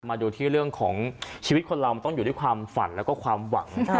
มาดูเรื่องของชีวิตของเรามันต้องอยู่ในความฝันและความหวัง